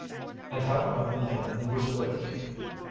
"And how about the man who was with you?"